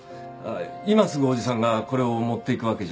今すぐおじさんがこれを持っていくわけじゃないから。